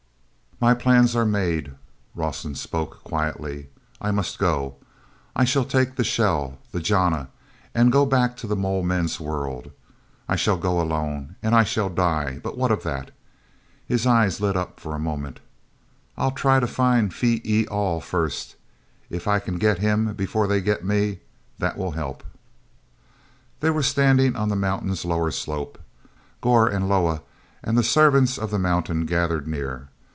y plans are made," Rawson spoke quietly. "I must go. I shall take the shell—the jana—and go back to the mole men's world. I shall go alone, and I shall die, but what of that?" His eyes lit up for a moment. "I'll try to find Phee e al first. If I can get him before they get me, that will help." They were standing on the mountain's lower slope, Gor and Leah and the servants of the mountain gathered near.